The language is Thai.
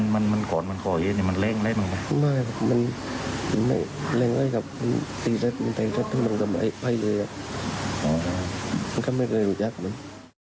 อ๋อมันก็ไม่เคยรู้จักมัน